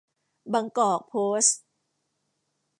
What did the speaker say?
บางกอก โพสต์